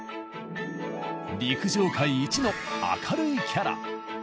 陸上界一の明るいキャラ。